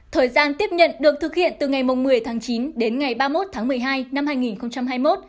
thời gian tiếp nhận được thực hiện từ ngày một mươi tháng chín đến ngày ba mươi một tháng một mươi hai năm hai nghìn hai mươi một